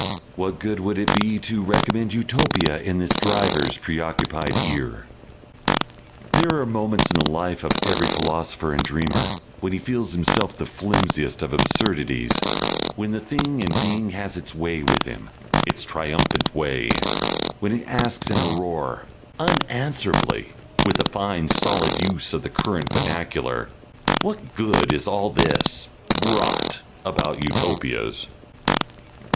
What good would it be to recommend Utopia in this driver's preoccupied ear? There are moments in the life of every philosopher and dreamer when he feels himself the flimsiest of absurdities, when the Thing in Being has its way with him, its triumphant way, when it asks in a roar, unanswerably, with a fine solid use of the current vernacular, "What Good is all this Rot about Utopias?"